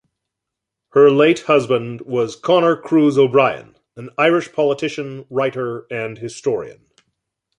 Her late husband was Conor Cruise O'Brien, an Irish politician, writer and historian.